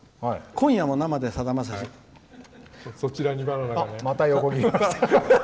「今夜も生でさだまさし」。